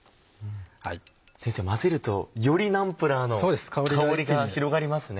先生混ぜるとよりナンプラーの香りが広がりますね。